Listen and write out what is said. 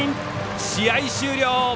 試合終了！